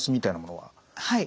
はい。